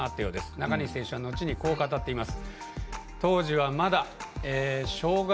中西選手はのちに、こう語っています。